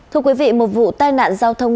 thưa quý vị một vụ tai nạn giao thông